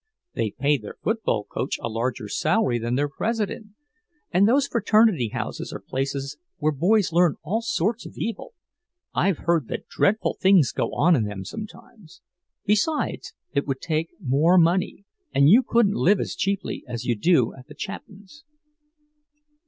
They pay their football coach a larger salary than their President. And those fraternity houses are places where boys learn all sorts of evil. I've heard that dreadful things go on in them sometimes. Besides, it would take more money, and you couldn't live as cheaply as you do at the Chapins'."